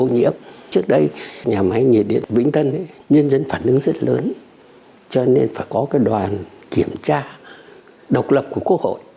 nhiệt điện vĩnh tân nhân dân phản ứng rất lớn cho nên phải có đoàn kiểm tra độc lập của quốc hội